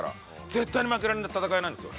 絶対に負けられない闘いなんですよ。